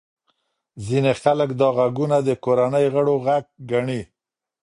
ځینې خلک دا غږونه د کورنۍ غړو غږ ګڼي.